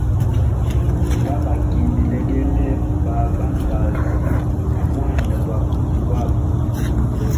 Nda baki bilegele ba banabazi a mwanda gwa buti bwabo.